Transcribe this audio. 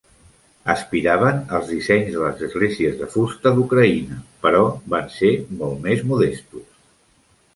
Aspiraven als dissenys de les esglésies de fusta d'Ucraïna, però van ser molt més modestos.